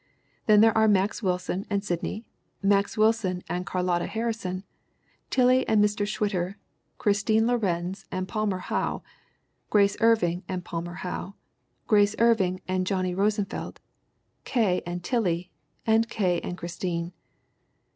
Then there are Max Wil son and Sidney, Max Wilson and Carlotta Harrison, Tillie and Mr. Schwitter, Christine Lorenz and Palm er Howe, Grace Irving and Palmer Howe, Grace Irving and Johnny Rosen f eld, K. and Tillie and K. and Christine.